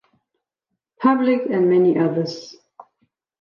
Public, and many others.